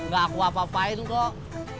gak aku apa apain kok